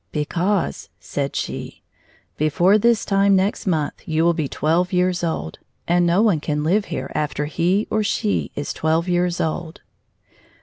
"Because," said she, "before this time next month you will be twelve years old, and no one can live here after he or she is twelve years old."